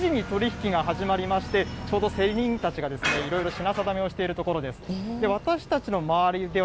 先ほど、ちょうど７時に取り引きが始まりまして、ちょうど競り人たちが、いろいろ品定めをしているところ。